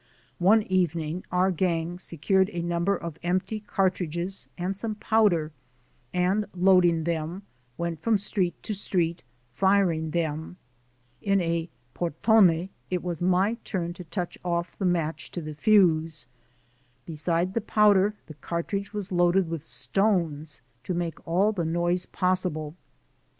One evening our gang secured a number of empty cartridges and some powder, and loading them, went from street to street firing them. In a "portone" it was my turn to touch the match to the fuse. Besides the powder the car tridge was loaded with stones to make all the noise possible.